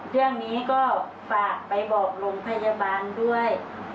เรื่องนี้ก็ฝากไปบอกโรงพยาบาลด้วย